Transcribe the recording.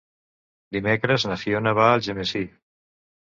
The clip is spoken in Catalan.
Dimecres na Fiona va a Algemesí.